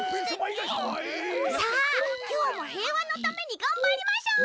さあきょうもへいわのためにがんばりましょう。